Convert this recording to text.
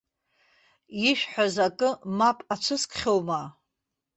Ишәҳәаз акы мап ацәыскхьоума?